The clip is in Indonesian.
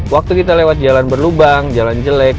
waktu kita lewat jalan berlubang jalan jelek